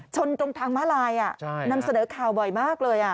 ชนตรงทางม้าลายนำเสนอข่าวบ่อยมากเลย